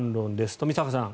冨坂さん